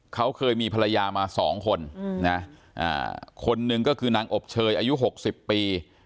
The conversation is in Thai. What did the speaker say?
เขาเคยมีภรรยามา๒คนนะคนหนึ่งก็คือนางอบเชยอายุ๖๐ปี